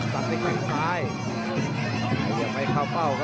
ส็จในแข่งซ้าย